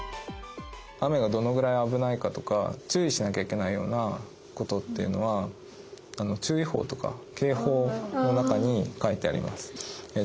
雨がどのぐらいあぶないかとか注意しなきゃいけないような事っていうのは注意報とか警報の中に書いてあります。